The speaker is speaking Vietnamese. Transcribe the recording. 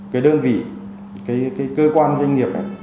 cái đơn vị cái cơ quan doanh nghiệp